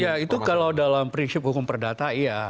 ya itu kalau dalam prinsip hukum perdata iya